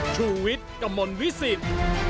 ชูเวทกมลวิสิทธิ์